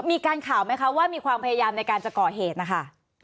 มีการข่าวไหมคะว่ามีความพยายามในการจะก่อเหตุนะคะ